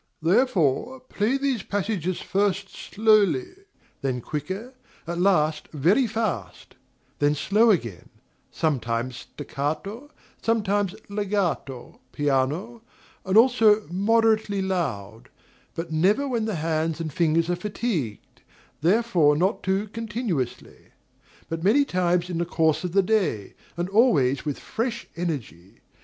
Therefore play these passages first slowly, then quicker, at last very fast; then slow again, sometimes staccato, sometimes legato, piano, and also moderately loud; but never when the hands and fingers are fatigued, therefore not too continuously; but many times in the course of the day, and always with fresh energy.